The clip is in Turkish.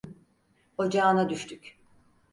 Ocağına düştük…